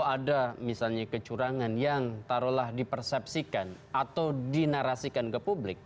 ada misalnya kecurangan yang taruhlah dipersepsikan atau dinarasikan ke publik